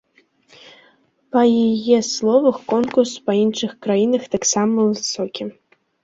Па яе словах, конкурс па іншых краінах таксама высокі.